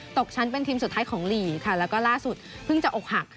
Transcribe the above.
ตกชั้นเป็นทีมสุดท้ายของหลีกค่ะแล้วก็ล่าสุดเพิ่งจะอกหัก